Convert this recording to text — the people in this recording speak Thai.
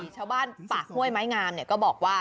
ชาวบ้านป่าห้วยไม้งามเนี่ยก็บอกว่า